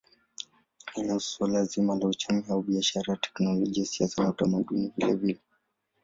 Inahusu suala zima la uchumi au biashara, teknolojia, siasa na utamaduni vilevile.